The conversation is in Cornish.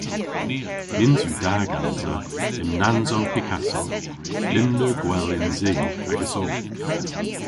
Nyns yw da gansa lymnansow Picasso. Lymner gwell yns i agesso!